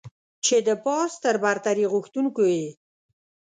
چې د پارس تر برتري غوښتونکو يې.